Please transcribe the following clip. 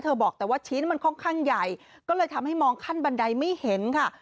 บอกแต่ว่าชิ้นมันค่อนข้างใหญ่ก็เลยทำให้มองขั้นบันไดไม่เห็นค่ะ